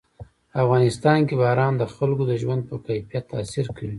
په افغانستان کې باران د خلکو د ژوند په کیفیت تاثیر کوي.